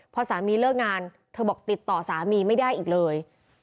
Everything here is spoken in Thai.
พอสามีเลิกงานเธอบอกติดต่อสามีไม่ได้อีกเลย